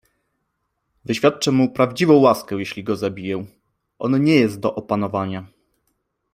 Wyświadczę mu prawdziwą łaskę, jeśli go zabiję. On nie jest do opanowania.